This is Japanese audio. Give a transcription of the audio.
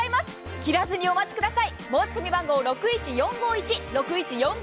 切らずにお待ちください。